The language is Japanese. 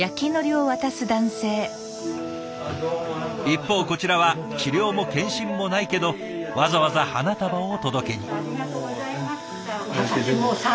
一方こちらは治療も検診もないけどわざわざ花束を届けに。